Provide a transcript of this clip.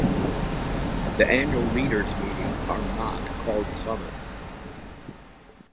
The annual Leaders' Meetings are not called summits.